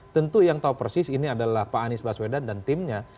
tentu yang tahu persis ini adalah pak anies baswedan dan timnya